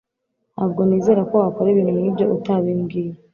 Ntabwo nizera ko wakora ibintu nkibyo utabimbwiye.